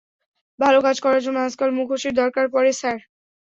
ভালো কাজ করার জন্য আজকাল মুখোশের দরকার পড়ে, স্যার!